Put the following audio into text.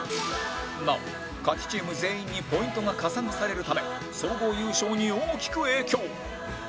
なお勝ちチーム全員にポイントが加算されるため総合優勝に大きく影響